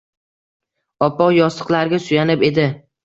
Oppoq yostiqlarga suyanib edi.